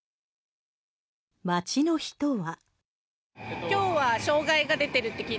街の人は。